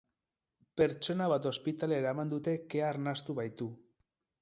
Pertsona bat ospitalera eraman dute kea arnastu baitu.